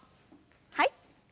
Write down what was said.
はい。